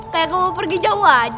kayak kamu pergi jauh aja